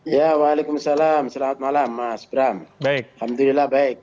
waalaikumsalam selamat malam mas bram alhamdulillah baik